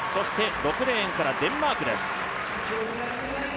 ６レーンからデンマークです。